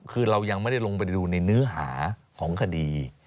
คือเรายังไม่ได้ลงไปดูในเนื้อหาของคดี